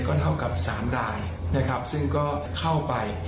ก็เท่ากับ๓รายซึ่งก็เข้าไป